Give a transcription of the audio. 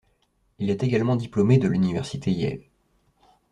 Il est également diplômé de l'Université Yale.